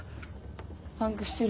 パンクしてる。